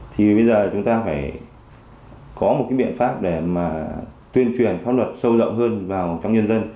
thì bây giờ chúng ta phải có một cái biện pháp để mà tuyên truyền pháp luật sâu rộng hơn vào trong nhân dân